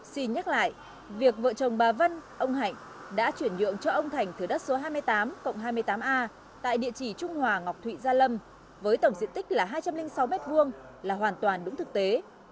xin nhắc lại việc vợ chồng bà vân ông hạnh đã chuyển nhượng cho ông thành thửa đất số hai mươi tám hai mươi tám a tại địa chỉ trung hòa ngọc thụy gia lâm với tổng diện tích là hai trăm linh sáu m hai là hoàn toàn đúng thực tế